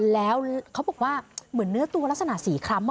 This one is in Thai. แล้วเขาบอกว่าเหมือนเนื้อตัวลักษณะสีคล้ำ